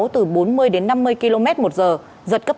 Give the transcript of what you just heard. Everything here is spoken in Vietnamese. từ bốn mươi đến năm mươi km một giờ giật cấp tám